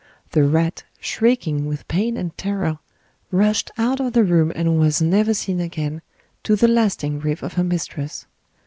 The rat, shrieking with pain and terror, rushed out of the room and was never seen again, to the lasting grief of her mistress.